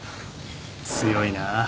強いなあ。